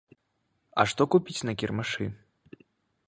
А што купіць на кірмашы?